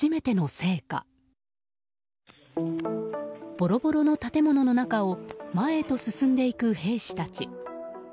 ぼろぼろの建物の中を前へと進んでいく兵士たち。